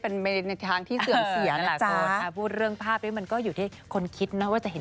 เออนะก็ตอบดีนะดูตอบแบบมีสติ